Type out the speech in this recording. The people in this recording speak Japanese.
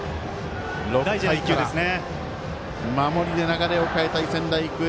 守りで流れを変えたい仙台育英。